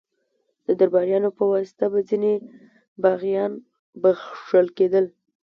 د درباریانو په واسطه به ځینې باغیان بخښل کېدل.